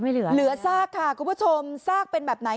เหลือเหลือซากค่ะคุณผู้ชมซากเป็นแบบไหน